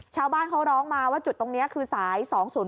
ชาวบ้านเขาร้องมาว่าจุดตรงนี้คือสาย๒๐๔